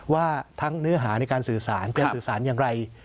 ว่าทั้งเนื้อหาในการสื่อสารจะสื่อสารอย่างไร